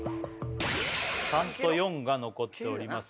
３と４が残っております